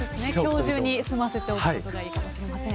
今日中に済ませた方がいいかもしれません。